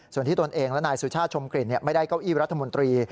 ส่วนที่ตนเองและนายสุชาติชมกลิ่นไม่ได้เก้าอี้รัฐมนตรี